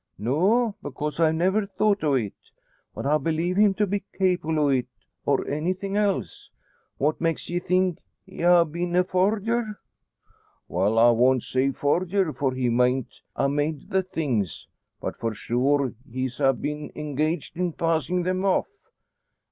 "No; because I never thought o' it. But I believe him to be capable o' it, or anything else. What makes ye think he a' been a forger?" "Well, I won't say forger, for he mayn't a made the things. But for sure he ha' been engaged in passin' them off."